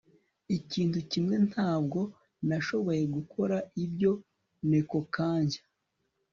ikintu kimwe, ntabwo nashoboye gukora ibyo. (nekokanjya